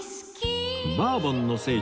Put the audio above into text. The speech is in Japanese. バーボンの聖地